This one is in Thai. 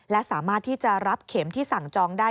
และสามารถที่จะรับเข็มที่สั่งจองได้